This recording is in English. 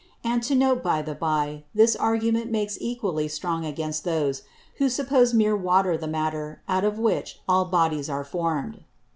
And, to note by the by, this Argument makes equally strong against those, who suppose meer Water the Matter, out of which all Bodies are form'd.